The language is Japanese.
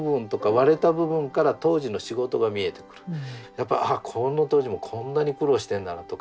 やっぱああこの当時もこんなに苦労してんだなとか